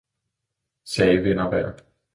sagde vind og vejr.